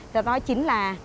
thì đó chính là